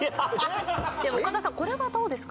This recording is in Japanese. オカダさんこれはどうですか？